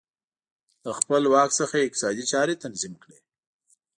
له خپل واک څخه یې اقتصادي چارې تنظیم کړې